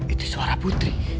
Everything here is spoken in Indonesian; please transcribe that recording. itu suara putri